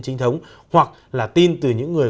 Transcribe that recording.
trinh thống hoặc là tin từ những người